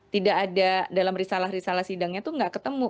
tidak ada dalam risalah risalah sidangnya itu nggak ketemu